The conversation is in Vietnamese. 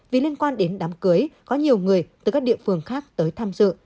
vì liên quan đến đám cưới có nhiều người từ các địa phương khác tới tham dự